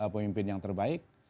pemimpin yang terbaik